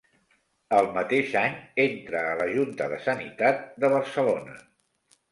El mateix any, entra a la Junta de Sanitat de Barcelona.